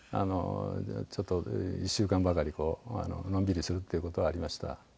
ちょっと１週間ばかりこうのんびりするっていう事はありました。